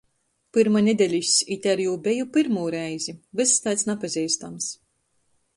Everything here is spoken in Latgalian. Pyrma nedelis ite ar jū beju pyrmū reizi, vyss taids napazeistams.